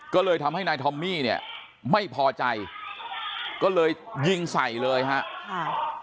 ก็เลยทำให้นายทอมมี่เนี่ยไม่พอใจก็เลยยิงใส่เลยฮะค่ะ